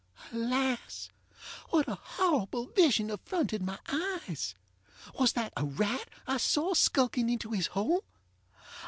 Alas! what a horrible vision affronted my eyes? Was that a rat I saw skulking into his hole?